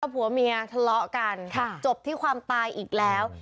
ผัวเมียทะเลาะกันจบที่ความตายอีกแล้ว